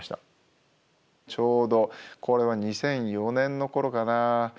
ちょうどこれは２００４年のころかな。